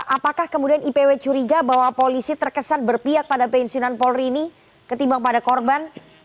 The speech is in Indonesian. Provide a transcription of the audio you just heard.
apakah kemudian ipw curiga bahwa polisi terkesan berpihak pada pensiunan polri ini ketimbang pada korban